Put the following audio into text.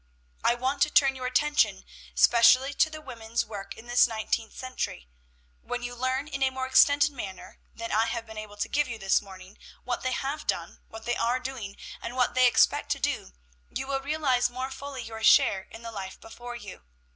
"I want to turn your attention specially to women's work in this nineteenth century. When you learn in a more extended manner than I have been able to give you this morning, what they have done, what they are doing, and what they expect to do, you will realize more fully your share in the life before you.